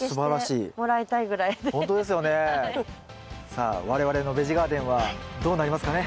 さあ我々のベジガーデンはどうなりますかね。